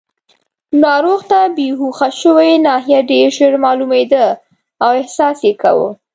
ناروغ ته بېهوښه شوې ناحیه ډېر ژر معلومېده او احساس یې کاوه.